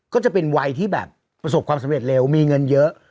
ก็จะเป็นวัยที่แบบประสบความสำเร็จเร็วมีเงินเยอะ